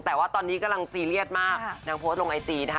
แต่ว่าตอนนี้กำลังซีเรียสมากนางโพสต์ลงไอจีนะคะ